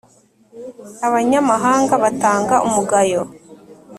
abanyamahanga batanga umugayo.